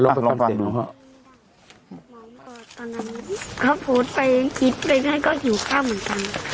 ตอนนั้นเขาโพสต์ไปคิดได้ยังไงก็หิวข้าวเหมือนกัน